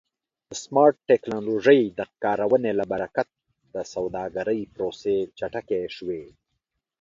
د سمارټ ټکنالوژۍ د کارونې له برکت د سوداګرۍ پروسې چټکې شوې.